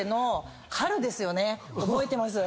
覚えてます。